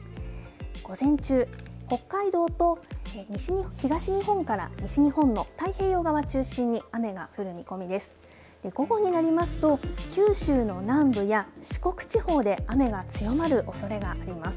午前中、北海道と東日本から西日本の太平洋側を中心に雨が降る見込みです。